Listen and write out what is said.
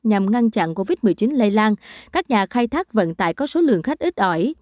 nhằm ngăn chặn covid một mươi chín lây lan các nhà khai thác vận tải có số lượng khách ít ỏi